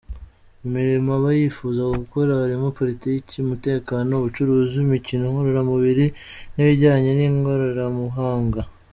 Imirimo aba yifuza gukora harimo politiki, umutekano, ubucuruzi, imikino ngororamubiri n’ibijyanye n’ikoranabuhanga.